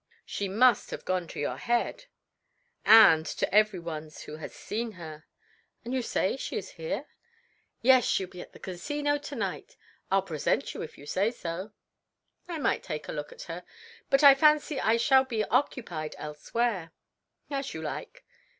"She must have gone to your head." "And to every one's who has seen her." "You say she is here?" "Yes, she'll be at the Casino to night; I'll present you if you say so." "I might take a look at her, but I fancy I shalt be occupied elsewhere." "As you like."